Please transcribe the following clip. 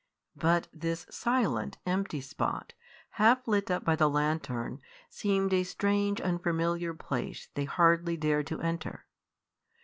But this silent, empty spot, half lit up by the lantern, seemed a strange, unfamiliar place they hardly dared to enter.